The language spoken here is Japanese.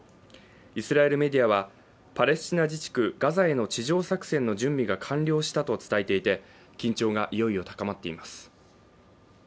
イスラエルメディアは、パレスチナ自治区ガザへの地上作戦の準備が完了したと伝えていて、緊張がいよいよ高まっています。